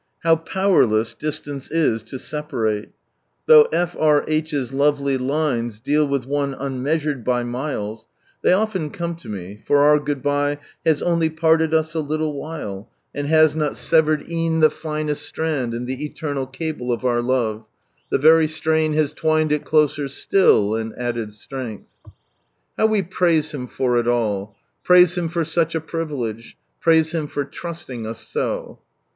How powerless disiance is to separate. Though F. R. H.'s lovely lines deal with one unmeasured by miles, they often come to me, — for our goodbye " H.i< only parted tis a little v And has not severed e'en Ihc In ihe elemiil cable of The very si rain has twined it And added sLrenglh." love ; How we praise Hira for it all ! Praise Him for such a privilege. Praise Him for trusting us so.